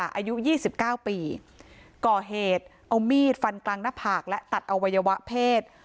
อายุยี่สิบเก้าปีก่อเหตุเอามีดฟันกลางหน้าผากและตัดอวัยวะเพศ